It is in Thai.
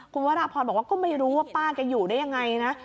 คุณวรพรบอกว่าก็ไม่รู้ว่าป้าแกอยู่ได้ยังไงนะ